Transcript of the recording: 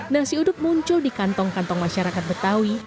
nasi uduk muncul di kantong kantong masyarakat betawi